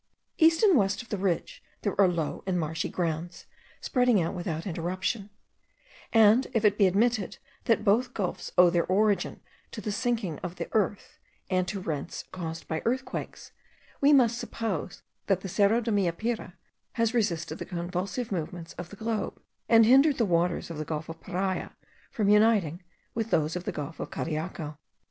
East and west of the ridge there are low and marshy grounds, spreading out without interruption; and if it be admitted that both gulfs owe their origin to the sinking of the earth, and to rents caused by earthquakes, we must suppose that the Cerro de Meapire has resisted the convulsive movements of the globe, and hindered the waters of the gulf of Paria from uniting with those of the gulf of Cariaco.